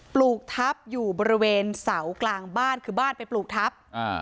ปลูกทัพอยู่บริเวณเสากลางบ้านคือบ้านไปปลูกทัพ